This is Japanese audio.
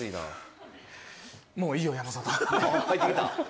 もういいよ、山里。